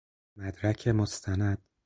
مدرک مستند